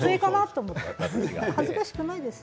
恥ずかしくないですよ。